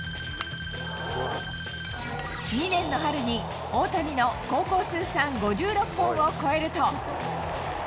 ２年の春に大谷の高校通算５６本を超えると。